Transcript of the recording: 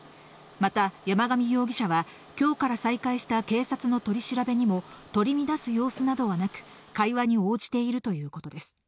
また、山上容疑者は、きょうから再開した警察の取り調べにも、取り乱す様子などはなく、会話に応じているということです。